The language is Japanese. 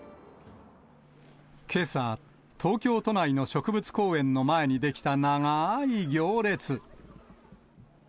けさ、東京都内の植物公園の前に出来た長ーい行列。